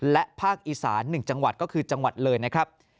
และภาคอีสาน๑จังหวัดก็คือจังหวัดเลยนะครับ